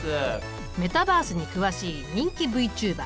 メタバースに詳しい人気ＶＴｕｂｅｒ